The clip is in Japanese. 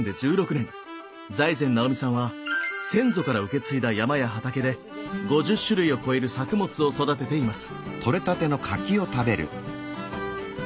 財前直見さんは先祖から受け継いだ山や畑で５０種類を超える作物を育てています。